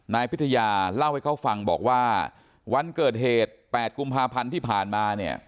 นายพิทยาเล่าให้เขาฟังบอกว่าวันเกิดเหตุ๘กุมภาพันธ์ที่ผ่านมาเนี่ย